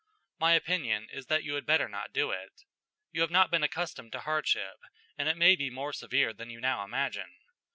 My opinion is that you had better not do it. You have not been accustomed to hardship, and it may be more severe than you now imagine.